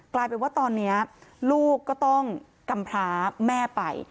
กลายเป็นว่าตอนนี้ลูกก็ต้องกำพร้าแม่ไป